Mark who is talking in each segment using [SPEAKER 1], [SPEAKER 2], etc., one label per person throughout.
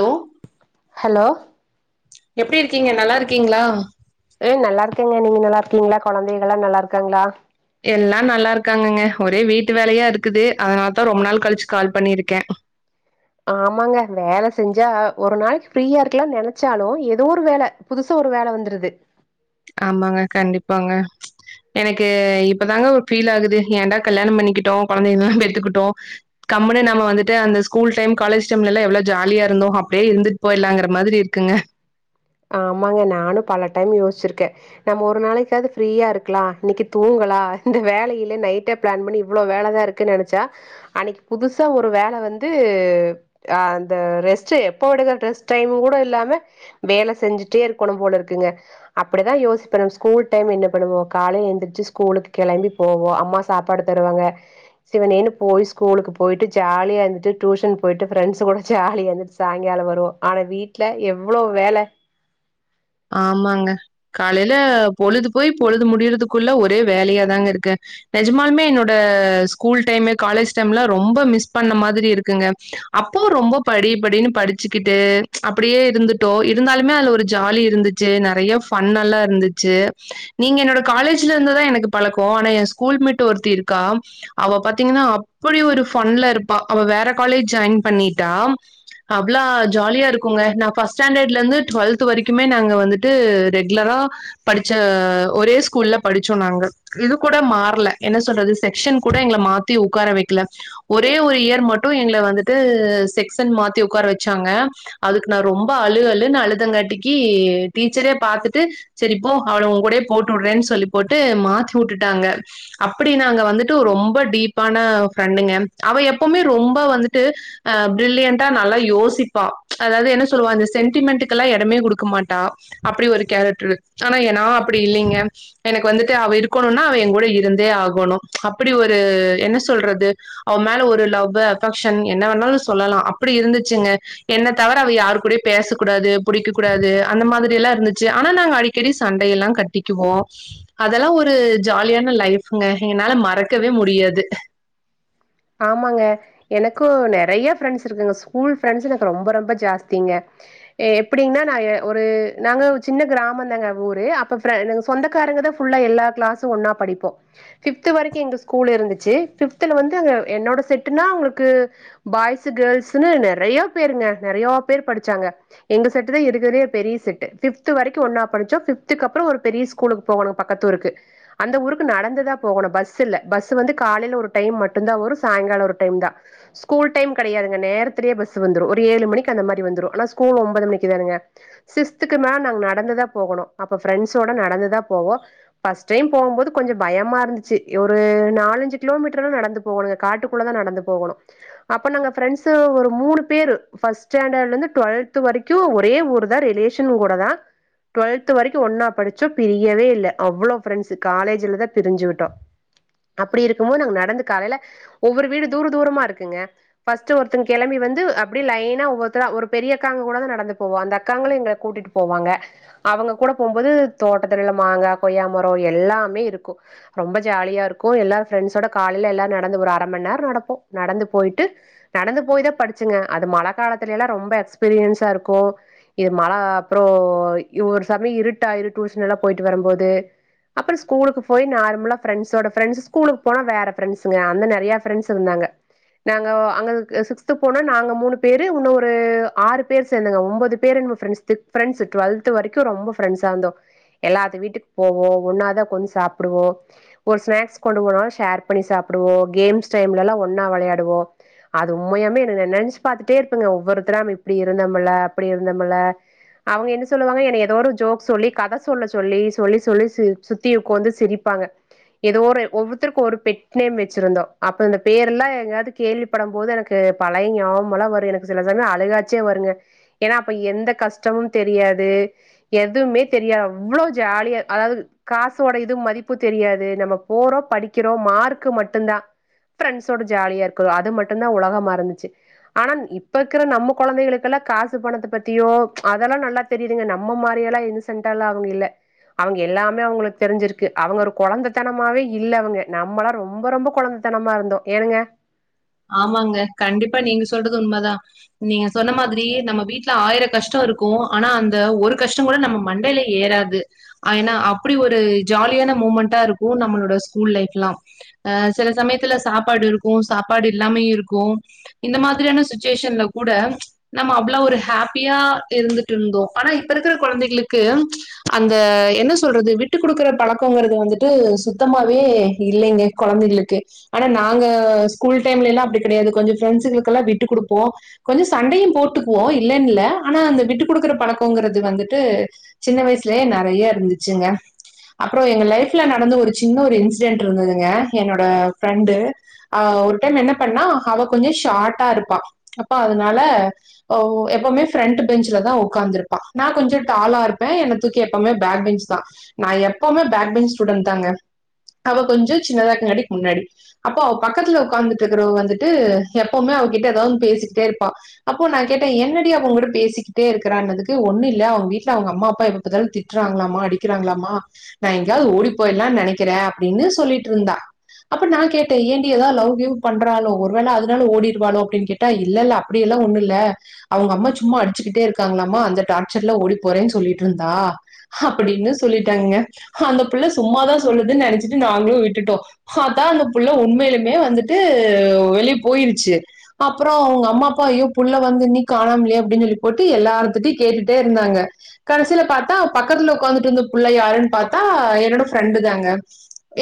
[SPEAKER 1] hello
[SPEAKER 2] hello
[SPEAKER 1] எப்டி இருக்கீங்க நல்லா இருக்கீங்களா
[SPEAKER 2] ம் நல்லாருக்கேங்க நீங்க நல்லாருக்கீங்களா கொழந்தைகள்லா நல்லாருக்காங்களா
[SPEAKER 1] எல்லா நல்லாருக்காங்கங்க ஒரே வீட்டு வேலையாருக்குது அதனால தா ரொம்ப நாள் கழிச்சு கால் பண்ணிருக்கே
[SPEAKER 2] ஆமாங்க வேல செஞ்சா ஒரு நாளைக் ஃப்ரீயா இருக்கலா நெனச்சாலு எதோ ஒரு வேல புதுசா ஒரு வேல வந்துருது
[SPEAKER 1] ஆமாங்க கண்டிப்பாங்க எனக்கு இப்பதாங்க ஒரு ஃபீல் ஆகுது ஏண்டா கல்யாணோ பண்ணிக்கிட்டோ கொழந்தைகள்லா பெத்துக்கிட்டோ கம்முனு நம்ம வந்துட்டு அந்த ஸ்கூல் டைம் காலேஜ் டைம்லல்ல எவ்ளோ ஜாலியாருந்தோ அப்டியே இருந்துட் போயிர்லாங்கற மாதிரி இருக்குங்க
[SPEAKER 2] ஆமாங்க நானு பல டைம் யோஸ்ச்சுருக்கே நம்ம ஒரு நாளைக்காவது ஃப்ரீயா இருக்கலா இன்னைக்கி தூங்கலா இந்த வேலையில நைட்டே பிளான் பண்ணி இவ்ளோ வேலதாருக் குனு நெனச்சா அன்னைக்கி புதுசா ஒரு வேல வந்து அ அந்த ரெஸ்ட்டு எப்போ எடுகற ரெஸ்ட் டைம் கூட இல்லாம வேல செஞ்சுட்டே இருக்கணு போல இருக்குங்க அப்டிதா யோசிப்ப நம் ஸ்கூல் டைம் என்ன பண்ணுவோ காலைல எந்திரிச்சி ஸ்கூலுக்கு கெளம்பி போவோ அம்மா சாப்பாடு தருவாங்க சிவனேனு போய் ஸ்கூலுக்கு போயிட்டு ஜாலியா இருந்துட்டு டியூஷன் போயிட்டு ஃப்ரண்ட்ஸ் கூட ஜாலியா இருந்துச்சு சாய்ங்காலோ வருவோ ஆனா வீட்ல எவ்ளோ வேல
[SPEAKER 1] ஆமாங்க காலையில பொழுது போய் பொழுது முடியறதுக்குள்ள ஒரே வேலையாதாங்க இருக்கு நெஜமாலுமே என்னோட ஸ்கூல் டைமு காலேஜ் டைம்லா ரொம்ப மிஸ் பண்ண மாதிரி இருக்குங்க அப்போ ரொம்ப படி படின்னு படிச்சுக்கிட்டு அப்டியே இருந்துட்டோ இருந்தாலுமே அதுல ஒரு ஜாலி இ ருந்துச்சு நெறைய ஃபன் எல்லா இருந்துச்சு நீங்க என்னோட காலேஜ்ல இருந்துதா எனக்கு பழக்கோ ஆனா ஏன் ஸ் கூல் மெட்டு ஒருத்தி இருக்கா அவ பாத்தீங்கன்னா அப்டி ஒரு ஃபன்ல இருப்பா அவ வேற காலேஜ் ஜாயின் பண்ணிட்டா அவ்ளா ஜாலியா இருக்குங்க நா ஃபஸ்ட் ஸாண்டர்ட்ல இருந்து டுவல்த் வரைக் க்குமே நாங்க வந்துட்டு ரெகுலரா படிச்ச ஒரே ஸ்கூல்ல படிச்சோ நாங்க இது கூட மாறல என்ன சொல்றது செக்ஷன் கூட எங்கள மாத் தி உக்கார வைக்கல ஒரே ஒரு இயர் மட்டு எங்கள வந்துட்டு செக்சன் மாத்தி உக்கார வச்சாங்க அதுக்கு நா ரொம்ப அழுஅழுன்னு அழுதங்கட்டிக்கி டீச்சரே பாத்துட்டு சரிப்போ அவள உங்கூடயே போட்டு விடுறேனு சொல்லி போட்டு மாத்தி உட்டுட்டாங்க அப்டி நாங்க வந்துட்டு ரொம்ப டீப்பான ஃப்ரெண்டுங்க அவ எப்பமே ரொம்ப வந்துட்டு அ பிரில்லியண்டா நல்லா யோசிப்பா அதாவது என்ன சொல்லுவா இந்த சென்டிமெண்ட்டுகெல்லா எடமே குடுக் க மாட்டா அப்டி ஒரு கேரக்டரு ஆனா எ நா அப்டி இல்லங்க எனக்கு வந்துட்டு அவ இருக்கணும்னா அவ என் கூட இருந்தே ஆகணும் அப்படி ஒரு என்ன சொல்றது அவமேல ஒரு லவ்வு அஃபெக்ஷன் என்ன வேணாலும் சொல்லலாம் அப்படி இருந்துச்சுங்க என்ன தவிர அவ யாரு கூடயும் பேசக்கூடாது புடிக்க கூடாது அந்த மாதிரி எல்லாம் இருந்துச்சு ஆனா நாங்க அடிக்கடி சண்டையெல்லாம் கட்டிக்குவோம் அதெல்லாம் ஒரு ஜாலியான லைஃபுங்க என்னால மறக்கவே முடியாது
[SPEAKER 2] ஆமாங்க எனக்கும் நிறைய ஃப்ரெண்ட்ஸ் இருக்குங்க ஸ்கூல் ஃப்ரெண்ட்ஸ் எனக்கு ரொம்ப ரொம்ப ஜாஸ்திங்க எப்படினா நா எ ஒரு நாங்க சின்ன கிராம தாங்க ஊரு அப்ப சொந்தக்காரங்க தா புல்லா எல்லா கிளாஸ்ஸும் ஒன்னா படிப்போம் பிப்து வரைக்கும் எங்க ஸ்கூல் இருந்துச்சு பிப்துல வந்து அங்க என்னோட செட்டுனா அவங்களுக்கு பாய்ஸ் கேள்ஸ்ன்னு நிறைய பேருங்க நிறைய பேர் படிச்சாங்க எங்க செட்டு தான் இருக்கதுலேயே பெரிய செட்டு ஃபித்து வரைக்கும் ஒன்னா ஃப்துக்கு அப்புறம் ஒரு பெரிய ஸ்கூலுக்கு போகனு பக்கத்து ஊருக்கு அந்த ஊருக்கு நடந்துதா போகணும் பஸ் இல்ல பஸ் வந்து காலையில ஒரு டைம் மட்டும் தான் வரும் சாய்ங்காலம் ஒரு டைம் தான் ஸ்கூல் டைம் கிடையாதுங்க நேத்திலயே பஸ் வந்துடும் ஒரு ஏழு மணிக்கு அந்த மாதிரி வந்துரும் ஆனா ஒன்பது மணிக்கு தானங்க சிக்ஸ்துக்கு மேல நாங்க நடந்துதா போகணும் அப்ப ஃப்ரெண்ட்ஸோட நடந்து தா போவோம் ஃப்ர்ஸ்ட் டைம் போகும்போது கொஞ்சம் பயமா இருந்துச்சு ஒரு நாலஞ்சு கிலோமீட்டர் எல்லாம் நடந்து போகணுங்க காட்டுக்குள்ள தான் நடந்து போகணும் அப்ப நாங்க பிரெண்ட்ஸ்ஸூ ஒரு மூணு பேரூ ஃபர்ஸ்ட் ஸ்டாண்டர்ட்ல இருந்து டுவொல்த் வரைக்கும் ஒரே ஊர் தான் ரிலேஷன் கூட தான் டுவெல்த் வரைக்கும் ஒன்னா படிச்சோ பிரியவே இல்லை அவ்வளோ ப்ரெண்ட்ஸ் காலேஜ்லதான் பிரஞ்சுக்கிட்டோம் அப்டி இருக்கும் போது நாங்க நடந்த காலையில ஒவ்வொரு வீடும் தூர தூரமா இருக்குங்க ஃபர்ஸ்ட் ஒருத்த கிளம்பி வந்து அப்படி லைனா ஒவ்வொருதரா ஒரு பெரிய அக்காங்க கூட தான் நடந்து போவம் அந்த அக்காங்களும் எங்கல கூட்டிட்டு போவாங்க அவங்க கூட போகும்போது தோட்டத்துல உள்ள மாங்காய் கொய்யா மரம் எல்லாமே இருக்கும் ரொம்ப ஜாலியா இருக்கும் எல்லாரு ஃப்ரெண்ட்ஸோட காலையில எல்லாரும் நடந்து ஒரு அரை மணி நேரம் நடப்போம் நடந்து போயிட்டு நடந்து போய் தான் படிச்சாங்க அது மழை காலத்துல எல்லாம் ரொம்ப எக்ஸ்பீரியன்ஸா இருக்கும் இது மழ அப்புறோ ஒரு சமய் இருட்ட ஆயுடு டியூஷன் எல்லா போயிட்டு வரும்போது அப்புறம்ஸ்கூலு போய் நார்மல ஃப்ரெண்ட்ஸோட ஃப்ரெண்டஸ் ஸ்கூலுக்கு போனா வேற ஃப்ரென்சுங்க அத நெறய ஃப்ரென்ஸ் இருந்தாங்க நாங்க அங்க சிக்ஸ்து பொன்னு நாங்க மூணு பேரு இன்னு ஒரு ஆறு பேரு சேந்துங்க ஒம்பது பேருங்க எ ப்ரெண்ட்ஸ் திக் ஃப்ரண்ட்ஸ் டுவெல்த் வரைக்கு ரொம்ப ப்ரெண்ட்ஸ்ஸா இருந்தோ எல்லாது வீட்டுக்கு போவோ ஒன்னாதா கொஞ்சோ சாப்புடுவோ ஒரு ஸ்நாக்ஸ் கொண்டு போனாலு ஷேர் பண்ணி சாப்புடுவோ கேம்ஸ் டைம்ல எல்லா ஒன்னா விளயாடுவோ அது உண்மையாமே நினைச்சு பாத்துட்டே இருப்பங்க ஒவ்வொருத்தராம் இப்டி இருந்தம்மல அப்டி இருந்தம்மல அவுங்க என்ன சொல்லுவாங்க என்ன ஏதோ ஒரு ஜோக் சொல்லி கத சொல்ல சொல்லி சொல்லி சொல்லிச்சு சுத்தி உக்கோந்து சிரிப்பாங்க ஏதோ ஒரு ஒவ்வொருத்தருக்கு ஒரு பெட் நேம் வச்சிருந்தோ அப்ப இந்த பேர் எல்லா எங்கயாது கேள்வி படும் போது எனக்கு பழைய ஞாமலா வரு எனக்கு சில சமயோ அழுகாச்சே வருங்க ஏன்னா அப்ப எந்த கஷ்டமு தெரியாது எதுமே தெரியாது அவ்ளோ ஜாலியா அதாவுது காசோட எதுவு மதிப்பு தெரியாது நம்ம போறோ படிக்கிறோ மார்க்கு மட்டுந்தா ஃப்ரெண்ட்ஸோட ஜாலியா இருக்கனு அது மட்டுந்தா உலக மாறுந்துச்சு ஆனா இப்ப இருக்குற நம்ம குழந்தைகளுக்கெல்லா காசு பணத்த பத்தியோ அதெல்லா நல்லா தெரியுதுங்க நம்ம மாரிய எல்லா என்ன சென்டால ஆவுங்க இல்ல அவுங்க எல்லாமே அவுங்களுக்கு தெரிஞ்சிருக்கு அவுங்க ஒரு குழந்தைத்தனமாவே இல்ல அவுங்க நம்மல்லா ரொம்ப ரொம்ப கொழந்த தனமா இருந்தோ என்னுங்க
[SPEAKER 1] ஆமாங்க கண்டிப்பா நீங்க சொல்றது உண்மதா நீங்க சொன்ன மாதிரி நம்ம வீட்டுல ஆயிரோ கஷ்டோ இருக்கு ஆனா அந்த ஒரு கஷ்டோ கூட நம்ம மண்டையிலே ஏறது ஏன்னா அப்டி ஒரு ஜாலியான மூமெண்டா இருக்கு நம்மளோட ஸ்கூல் லைஃப்ல்லா அ சில சமயத்துல சாப்பாடு இருக்கு சாப்பாடு இல்லாமயு இருக்கு இந்த மாதிரியான சுச்சுவேஷன்ல கூட நம்ம அவ்ளோ ஒரு ஹாப்பியா இருந்துட்டு இருந்தோ ஆனா இப்ப இருக்குற குழந்தைகளுக்கு அந்த என்ன சொல்றது விட்டு குடுக்குற பழக்கங்குறது வந்துட்டு சுத்தமாவே இல்லேங்க குழந்தைகளுக்கு ஆனா நாங்க ஸ்கூல் டைம்ல எல்லா அப்டி கெடையாது கொஞ்சோ ஃப்ரெண்ட்ஸுங்களுக்குக்கல்லா விட்டு கொடுப்போ கொஞ்சோ சண்டையு போட்டுக்குவோ இல்லன்னுல்ல ஆனா அந்த விட்டு குடுக்குற பழக்கங்கிறது வந்துட்டு சின்ன வயசுலயே நிறைய இருந்துச்சுங்க அப்புறோ எங்க லைஃப்ல நடந்து ஒரு சின்ன ஒரு இன்சிடென்ட் இருந்ததுங்க என்னோட ஃப்ரெண்டு ஆ ஒரு டைம் என்ன பண்ணா அவ கொஞ்சோ ஷார்டா இருப்பா அப்ப அதனால எப்பவுமே ஃப்ரண்ட் பெஞ்சில தா உக்காந்துருப்பா நா கொஞ்சோ டாலா இருப்பே எனத்தூக்கி எப்பவுமே பேக் பெஞ்ச் தா நா எப்பவுமே பேக் பென்ச் ஸ்டூடெண்ட் தாங்க அவ கொஞ்சோ சின்னதா கண்ணாடிக்கு முன்னாடி அப்போ அவ பக்கத்துல உக்காந்து இருக்கிறவங்க வந்துட்டு எப்பவுமே அவகிட்ட ஏதாவது பேசிக்கிட்டே இருப்பா அப்போ நா கேட்டே என்னடி அவுங்க கூட பேசிக்கிட்டே இருக்கறான்னுதுக்கு ஒன்னு இல்ல அவுங்க வீட்டுல அவுங்க அம்மா அப்பா எப்ப பாத்தாலு திட் திட்டுறாங்களாமா அடிக்கிறாங்களாமா நா எங்கோவது ஓடி போயிரலான்னு நினக்கிறே அப்டின்னு சொல்லிட்டு இருந்தா அப்ப நா கேட்டே ஏன்டி ஏதாவு லவ் கிவ் பண்றாலோ ஒரு வேல அதனாலு ஓடிருவாளோ அப்டின்னு கேட்டா இல்லல்ல அப்படி எல்லா ஒன்னு இல்ல அவுங்க அம்மா சும்மா அடிச்சுக்கிட்டே இருக்காங்களாமா அந்த டார்ச்சர்ல ஓடி போறேன்னு சொல்லிட்டு இருந்தா அப்படின்னு சொல்லிட்டாங்க அந்த புள்ளை சும்மாதா சொல்லுதுன்னு நினச்சிட்டு நாங்களு விட்டுட்டோ அதா அந்த புள்ள உண்மையிலுமே வந்துட்டு வெளிய போயிருச்சு அப்புறோ அவுங்க அம்மா அப்பா அயோ புள்ள வந்து நீன்னி காணாம்லையே அப்டின்னு சொல்லி போட்டு எல்லாரத்திட்டையு கேட்டுட்டே இருந்தாங்க கடைசியில பாத்தா அவ பக்கத்துல உக்காந்துட்டு இருந்த பிள்ளை யாருன்னு பாத்தா என்னோட ஃப்ரெண்டு தாங்க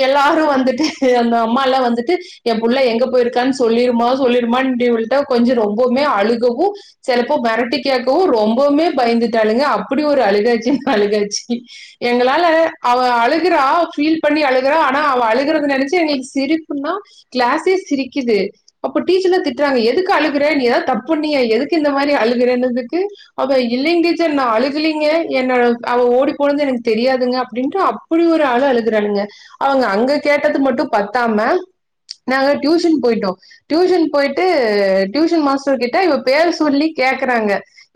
[SPEAKER 1] எல்லாரு வந்துட்டு அந்த அம்மால வந்துட்டு என் புள்ள எங்கம்மா போயிருக்கான்னு சொல்லிருமா சொல்லிருமா இவல்ட கொஞ்ச ரொம்பமே அழுகவு சிலப்போ மிரட்டி கேட்கவும் ரொம்பவுமே பயந்துட்டாளுங்க அப்டி ஒரு அழுகாட்சி அழுகாட்சி எங்களால அவ அழுகுறா ஃபீல் பண்ணி அழுகுறா ஆனா அவ அழுகுறத நெனைச்சு எங்களுக்கு சிரிப்புன்னா க்ளாஸ் ஏ சிரிக்குது அப்போ டீச்சர்ல்லா திட்டுறாங்க எதுக்கு அழுகுகற நீதா தப்பு நீய எதுக்கு இந்த மாதிரி அழுகுறேன்னதுக்கு அப்ப இல்லலைங்க டீச்சர் ந அழுகலீங்க என்ன அவ ஓடி போனது எனக்கு தெரியாதுங்க அப்டின்னு அப்டி ஒரு அழ அழுக்கறானுங்க அவங்க அங்க கேட்டது மட்டு பத்தாம நாங்க டியூஷன் போயிட்டோ டியூஷன் போயிட்டு டியூஷன் மாஸ்டர் கிட்ட இவ பேர சொல்லி கேக்கறாங்க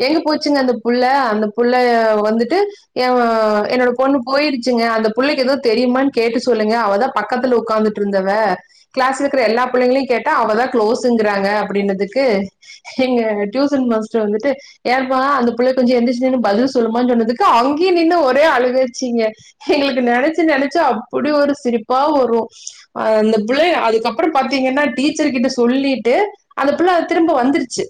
[SPEAKER 1] எங்க போச்சுங்க அந்த புள்ள அந்த புள்ள வந்துட்டு என் என்னோட பொண்ணு போயிருச்சுங்க அந்த பிள்ளைக்கு எது கேட்டு தெரியுமான்னு கேட்டு சொல்லுங்க அவதா பக்கத்துல உட்காந்துட்டு இருந்தவ கிளாஸ் இருக்கிற எல்லா பிள்ளைங்களையும் கேட்டா அவதான் க்ளோஸங்கிறாங்க அப்படினதுக்கு எங்க டியூசன் மாஸ்டர் வந்துட்டு ஏப்பா அந்த பிள்ளை கொஞ்ச எந்தந்துச்சின்னு பதில் சொல்லுமா சொன்னதுக்கு அங்கயு நின்னு ஒரே அழுகாச்சிங்க எங்களுக்கு நெனைச்சு நெனைச்சு அப்படி ஒரு சிரிப்பா வரும் அ அந்த பிள்ள அதுக்கப்பறம் பாத்தீங்கன்னா டீச்சர் கிட்ட சொல்லிட்டு அந்த பிள்ள அது திரும்ப வந்துருச்சு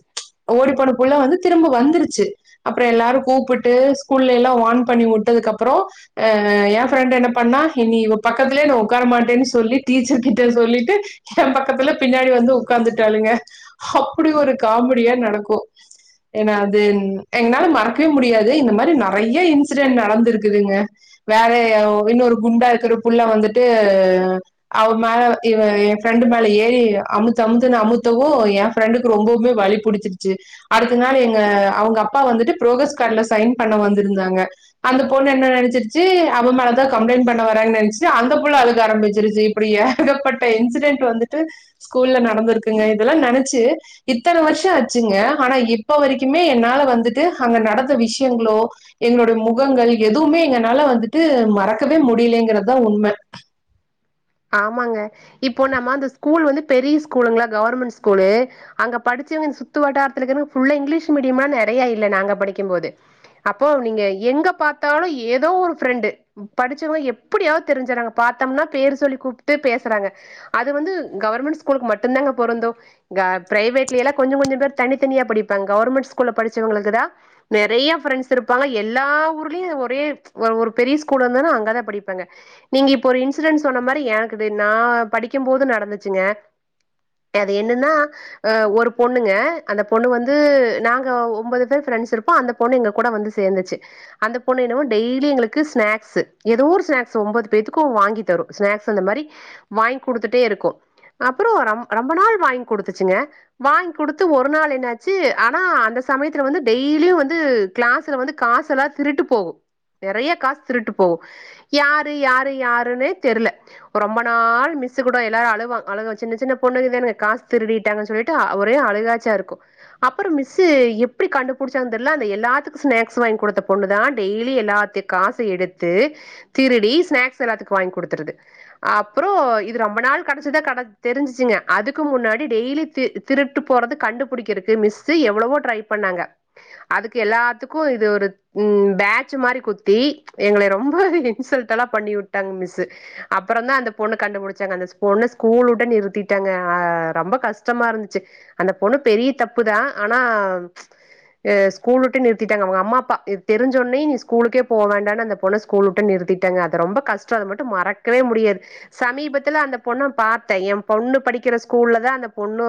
[SPEAKER 1] ஓடி போன புள்ள வந்து திரும்ப வந்துருச்சு அப்றம் எல்லாரு கூப்புட்டு ஸ்கூல்ல எல்லா வான் பண்ணி விட்டதுக்கு அப்பறம் ஆ என் பிரஃப்ரெண்ட் என்ன பண்ணா இனி இவ பக்கத்துலயே நா உட்கார மாட்டேன்னு சொல்லி டீச்சர் கிட் ட சொல்லிட்டு என் பக்கத்துல பின்னாடி வந்து உக்காந்துட்டாளுங்க அப்டி ஒரு காமெடியா நடக்கு ஏன்னா அது எங்கனால மறக்கவே முடியாது இந்த மாரி நெறைய இன்சிடென்ட் நடந்திருக்குதுங்க வேற இன்னொரு குண்டா இருக்கிற புள்ள வந்துட்டு அவ மேல இவ என் ஃப்ரெண்டு மேல ஏறி அமுத்த அமுத்துன்னு அமுத்தவும் என் ஃப்ரெண்டுக்கு ரொம்பவே வலி புடிச்சிருச்சு அடுத்த நாள் எங்க அவங்க அப்பா வந்துட்டு புரோக்ரஸ் கார்டுல சைன் பண்ண வந்திருந்தாங்க அந்த பொண்ணு என்ன நெனச்சிருச்சு அவ மேலதா கம்ப்ளைண்ட் பண்ண வர்றங் நெனச்சிட்டு அந்த புள்ள அதுக்க ஆரம்பிச்சிருச்சு இப்படியே ஏகப்பட்ட இன்சிடென்ட் வந்துட்டு ஸ்கூல்ல நடந்திருக்குங்க இதெல்லா நெனச்சு இத்தன வருஷம் ஆச்சுங்க ஆனா இப்ப வரைக்குமே என்னால வந்துட்டு அங்க நடந்த விஷயங்களோ எங்களுடைய முகங்கள் எதுவுமே எங்கனால வந்துட்டு மறக்கவே முடியலங்கறதுதா உண்ம
[SPEAKER 2] ஆமாங்க இப்போ நம்ம அந்த ஸ்கூல் வந்து பெரிய ஸ்கூலுங்களா கவர்மெண்ட் ஸ்கூலு அங்க படிச்சவங்க இந்த சுத்து வட்டாரத்துலக்கிறங் புல்ல இங்கிலீஷ் மீடியமா நெறைய இல்ல நாங்க படிக்குபோது அப்போ நீங்க எங்க பாத்தாலு ஏதோ ஒரு ஃப்ரெண்டு படிச்சவங்க எப்டியாவது தெரிஞ்சறாங்க பாத்தோம்னா பேர் சொல்லி கூப்பிட்டு பேசறாங்க அது வந்து கவர்மெண்ட் ஸ்கூலுக்கு மட்டுதாங்க பொருந்து க பிரைவேட்லயல்லா கொஞ்ச கொஞ்ச பேர் தனித்தனியா படிப்பாங்க கவர்மெண்ட் ஸ்கூல்ல படிச்சவங்களுக்கு தா நிறைய ஃப்ரெண்ட்ஸ் இருப்பாங்க எல்லா ஊர்லேயு ஒரே ஒரு ஒரு பெரிய ஸ்கூல்ல இருந்தனா அங்க தா படிப்பாங்க நீங்க இப்ப ஒரு இன்சிடென்ட் சொன்ன மாரி எனக்குது நா படிக்கு போது நடந்துச்சுங்க அது என்னன்னா ஆ ஒரு பொண்ணுங்க அந்த பொண்ணு வந்து நாங்க ஒன்பது பேர் ப்ரெண்ட்ஸ் இருப்போ அந்த பொண்ணு எங்க கூட வந்து சேந்துச்சு அந்த பொண்ணு என்னமோ டெய்லி எங்களுக்கு ஸ்நாக்ஸ் ஏதோ ஒரு ஸ்ன்ஸ் ஒன்பது பேத்துக்கு வாங்கி தரு ஸ்நக்ஸ் அந்த மாரி வாங்கி கொடுத்துட்டே இருக்கு அப்பறம் ரொம்ப நாள் வாங்கி கொடுத்துச்சுங்க வாங்கி குடுத்து ஒரு நாள் என்னாச்சு ஆனா அந்த சமயத்துல வந்து டெய்லியு வந்து கிளாஸ்ல வந்து காசுலா திருட்டு போகு நெறைய காசு திருட்டு போகு யாரு யாரு யாருன்னே தெர்ல ரொம்ப நாள் மிஸ்ஸு கூட எல்லாரு அழுவா அழுகுவா சின்ன சின்ன பொண்ணுக தான காஸ் திருடிட்டாங்கன் சொல்லீட் டு ஒரே அழுகாச்சியா இருக்கு அப்பறோ மிஸ்ஸு எப்பிடி கண்டுபுடிச்சாங்கன் தெர்ல அந்த எல்லாத்துக்கு ஸ்நாக்ஸ் வாய்ங் குடுத்த பொண்ணு தா டெய்லி எல்லாத்தையு காச எடுத்து திருடி ஸ்நாக்ஸ் எல்லாத்துக்கு வாய்ங் குடுத்துருது அப்றோ இது ரொம்ப நாள் கடச்சிதா கட தெரிஞ்சிச்சுங்க அதுக்கு முன்னாடி டெய்லி தி திருட்டு போறது கண்டுபுடிக்கற்க்கு மிஸ்ஸு எவ்ளவோ ட்ரை பண்ணாங்க அதுக்கு எல்லாத்துக்கு இது ஒரு ம் பேட்ச்சு மாரி குத்தி எங்கள ரொம்ப இன்சல்ட்டெல்லா பண்ணி உட்டாங்க மிஸ்ஸு அப்பறந்தா அந்த பொண்ண கண்டுபுடிச்சாங்க அந்த பொண்ண ஸ்கூல் உட்டே நிறுத்திட்டாங்க அ ரொம்போ கஷ்டமா இருந்துச்சு அந்த பொண்ணு பெரிய தப்புதா ஆனா அ ஸ்கூல் உட்டே நிறுத்திட்டாங்க அவங்க அம்மா அப்பா தெரிஞ்சொன்னே நீ ஸ்கூலுக்கே போ வேண்டானு அந்த பொண்ண ஸ்கூல் உட்டே நிறுத்திட்டாங்க அது ரொம்ப கஷ்டோ அத மட்டு மறக்கவே முடியாது சமீபத்துல அந்த பொண்ண பாத்தே எம்பொண்ணு படிக்கிற ஸ்கூல்லதா அந்த பொண்ணு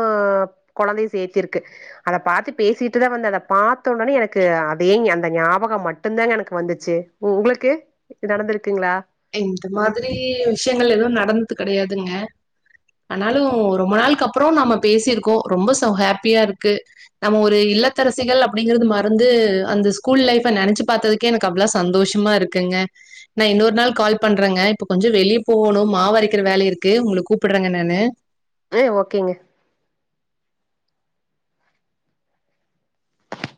[SPEAKER 2] கொழந்தைய சேத்திருக்கு அத பாத்து பேசிட்டுதா வந்தே அத பாத்த உடனே எனக்கு அதே ஞ அந்த ஞாபகோ மட்டுந்தாங்க எனக்கு வந்துச்சு ஓ உங்களுக்கு இது நடந்திருக்குங்ளா
[SPEAKER 1] இந்த மாதிரி விஷ்யங்கள் எதுவு நடந்தது கெடையாதுங்க ஆனாலு ரொம்ப நாள்க்கப்பறோ நாம பேசிருக்கோ ரொம்ப சோ ஹாப்பியா இருக்கு நம்ம ஒரு இல்லத்தரசிகள் அப்டிங்கிறது மறந்து அந்த ஸ்கூல் லைஃப நெனச்சு பாத்ததுக் கே எனக்கு அவ்ளோ சந்தோஷமா இருக்குங்க நா இன்னோர் நாள் கால் பண்றங்க இப்ப கொஞ்ச வெளிய போகோணு மாவரைக்கிற வேல இருக்கு உங்களுக்கு கூப்பிட்றங்க நானு
[SPEAKER 2] ரு ஓகேங்க